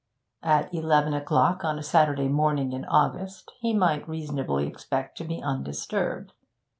At eleven o'clock on a Saturday morning in August he might reasonably expect to be undisturbed.